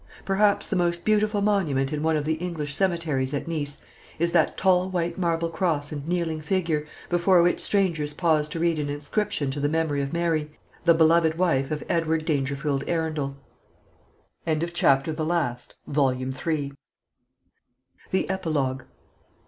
Perhaps the most beautiful monument in one of the English cemeteries at Nice is that tall white marble cross and kneeling figure, before which strangers pause to read an inscription to the memory of Mary, the beloved wife of Edward Dangerfield Arundel. THE EPILOGUE.